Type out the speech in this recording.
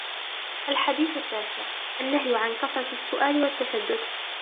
الحديث التاسع: النهي عن كثرة السؤال والتشدد